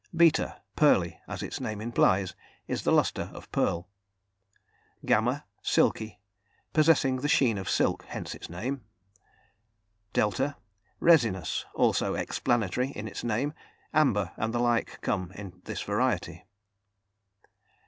([beta]) Pearly, as its name implies, is the lustre of a pearl. ([gamma]) Silky, possessing the sheen of silk, hence its name. ([delta]) Resinous, also explanatory in its name; amber and the like come in this variety.